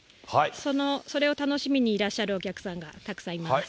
それを楽しみにいらっしゃるお客さんがたくさんいます。